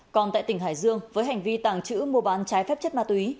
còn tại tỉnh hải dương với hành vi tàng trữ mua bán trái phép chất ma túy